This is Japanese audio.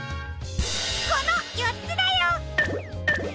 このよっつだよ！